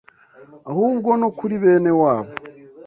ahubwo no kuri bene wabo.